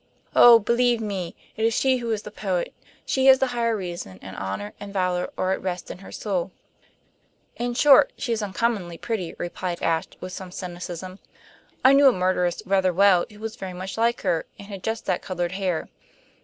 Oh, believe me, it is she who is the poet; she has the higher reason, and honor and valor are at rest in her soul." "In short, she is uncommonly pretty," replied Ashe, with some cynicism. "I knew a murderess rather well who was very much like her, and had just that colored hair."